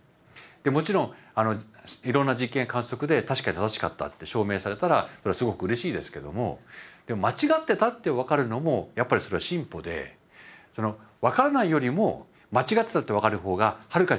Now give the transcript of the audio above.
もちろんいろんな実験観測で確かに正しかったって証明されたらこれはすごくうれしいですけども間違ってたって分かるのもやっぱりそれは進歩で分からないよりも間違ってたって分かる方がはるかにうれしいです。